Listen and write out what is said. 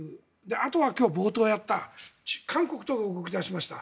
あとは今日の冒頭やった韓国とも動き始めました。